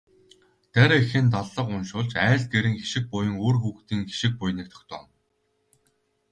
Дарь эхийн даллага уншуулж айл гэрийн хишиг буян, үр хүүхдийн хишиг буяныг тогтооно.